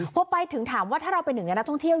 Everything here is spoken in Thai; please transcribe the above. พอไปถึงถามว่าถ้าเราเป็นหนึ่งในนักท่องเที่ยว